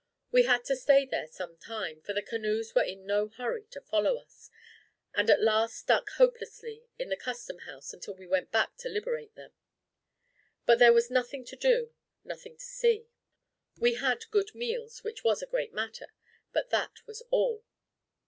We had to stay there some time, for the canoes were in no hurry to follow us, and at last stuck hopelessly in the custom house until we went back to liberate them. There was nothing to do, nothing to see. We had good meals, which was a great matter; but that was all.